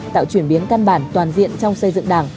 tạo chuyển biến căn bản toàn diện trong xây dựng đảng